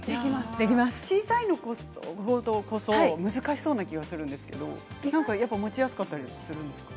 小さいものこそ難しそうな気がするんですけど持ちやすかったりするんですか？